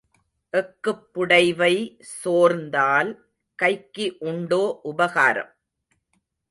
எக்குப் புடைவை சோர்ந்தால் கைக்கு உண்டோ உபகாரம்?